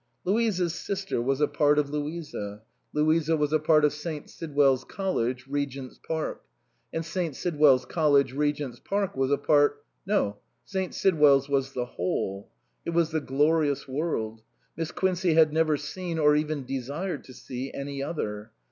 Louisa's sister was a part of 208 MISS QUINCEY STOPS THE WAY Louisa ; Louisa was a part of St. Sidwell's College, Regent's Park ; and St. Sidwell's Col lege, Regent's Park, was a part no, St. Sid well's was the whole ; it was the glorious world. Miss Quincey had never seen, or even desired to see any other.